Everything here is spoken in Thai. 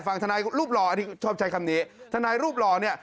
ฝั่งธนายรูปหล่อชอบใช้คำนี้ธนายรูปหล่อเนี่ย